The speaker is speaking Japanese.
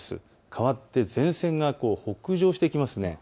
かわって前線が北上してきます。